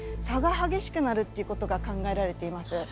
差が激しくなるっていうことが考えられています。